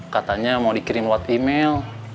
katanya mau dikirim lewat email